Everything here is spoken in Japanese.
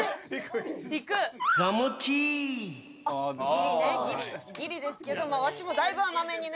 ギリねギリギリですけどわしもだいぶ甘めにね。